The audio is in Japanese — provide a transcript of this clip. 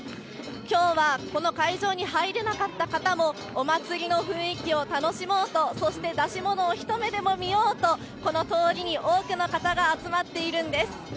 きょうはこの会場に入れなかった方も、お祭りの雰囲気を楽しもうと、そして出し物をひと目でも見ようと、この通りに多くの方が集まっているんです。